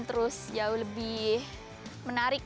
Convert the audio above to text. terus jauh lebih menarik